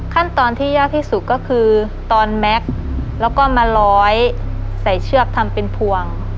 ขั้นตอนที่ยากที่สุดก็คือตอนแม็กซ์แล้วก็มาร้อยใส่เชือกทำเป็นพวง